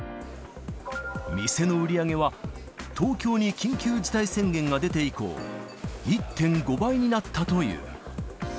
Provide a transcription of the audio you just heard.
店の売り上げは、東京に緊急事態宣言が出て以降、１．５倍になったという。